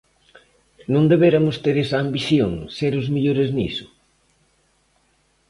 Non deberamos ter esa ambición, ser os mellores niso?